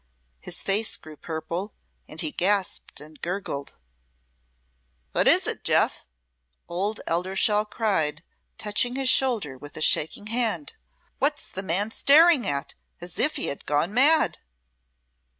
His face grew purple, and he gasped and gurgled. "What is't, Jeoff?" old Eldershawe cried, touching his shoulder with a shaking hand. "What's the man staring at, as if he had gone mad?"